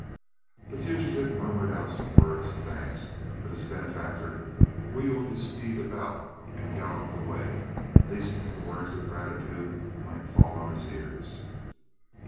The fugitive murmured out some words of thanks; but his benefactor wheeled his steed about and galloped away, lest the words of gratitude might fall on his ears.